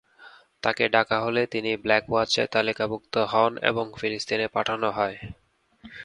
তাকে ডাকা হলে তিনি ব্ল্যাক ওয়াচে তালিকাভুক্ত হন এবং ফিলিস্তিনে পাঠানো হয়।